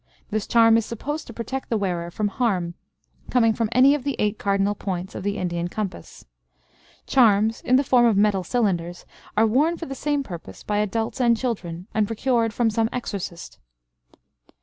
This charm is supposed to protect the wearer from harm coming from any of the eight cardinal points of the Indian compass. Charms, in the form of metal cylinders, are worn for the same purpose by adults and children, and procured from some exorcist.